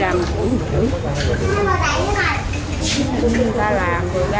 chúng ta làm